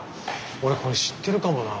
俺これ知ってるかもな。